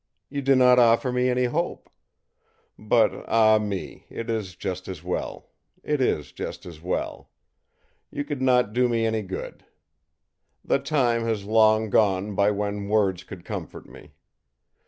You do not offer me any hope. But, ah me, it is just as well it is just as well. You could not do me any good. The time has long gone by when words could comfort me.